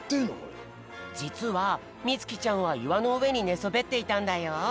じつはみつきちゃんはいわのうえにねそべっていたんだよ。